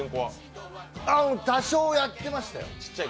多少やってましたよ。